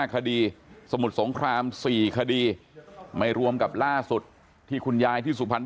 คดีสมุทรสงคราม๔คดีไม่รวมกับล่าสุดที่คุณยายที่สุพรรณ